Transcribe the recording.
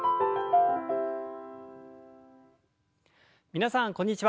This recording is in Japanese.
皆さんこんにちは。